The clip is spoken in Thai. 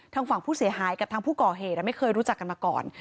ทางฝั่งผู้เสียหายกับทางผู้ก่อเหตุไม่เคยรู้จักกันมาก่อน